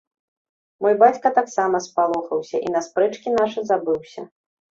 Мой бацька таксама спалохаўся, і на спрэчкі нашы забыўся.